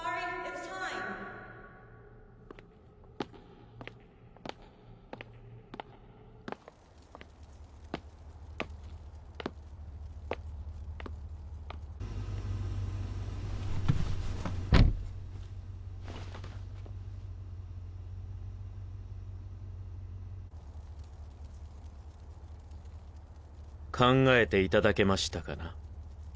’ｓｔｉｍｅ．考えていただけましたかな？